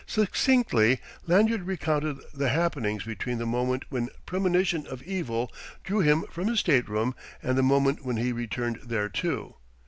Succinctly Lanyard recounted the happenings between the moment when premonition of evil drew him from his stateroom and the moment when he returned thereto.